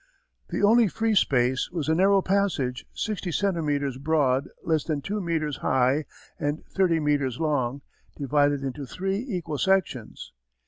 The only free space was a narrow passage, sixty centimetres broad, less than two metres high, and thirty metres long, divided into three equal sections.